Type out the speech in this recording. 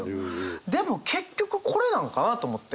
でも結局これなんかなと思って。